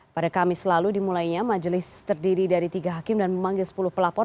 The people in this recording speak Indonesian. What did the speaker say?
pada kamis lalu dimulainya majelis terdiri dari tiga hakim dan memanggil sepuluh pelapor